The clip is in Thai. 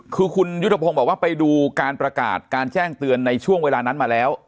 คือคุณยุทธพงศ์บอกว่าไปดูการประกาศการแจ้งเตือนในช่วงเวลานั้นมาแล้ว